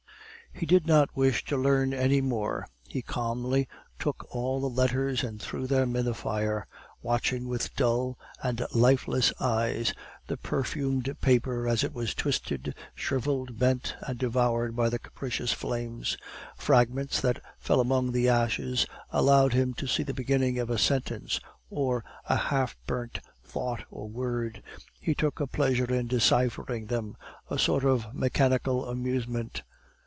He did not wish to learn any more. He calmly took up the letters and threw them in the fire, watching with dull and lifeless eyes the perfumed paper as it was twisted, shriveled, bent, and devoured by the capricious flames. Fragments that fell among the ashes allowed him to see the beginning of a sentence, or a half burnt thought or word; he took a pleasure in deciphering them a sort of mechanical amusement.